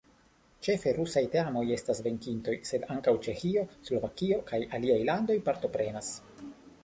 Ĉefe rusaj teamoj estas venkintoj, sed ankaŭ el Ĉeĥio, Slovakio kaj aliaj landoj partoprenas.